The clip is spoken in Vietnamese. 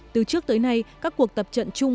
từ trước tới nay các cuộc tập trận chung